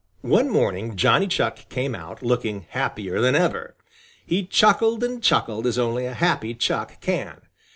One morning Johnny Chuck came out, looking happier than ever. He chuckled and chuckled as only a happy Chuck can.